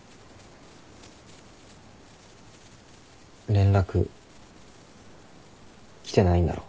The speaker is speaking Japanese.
連絡来てないんだろ？